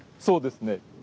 そうですね。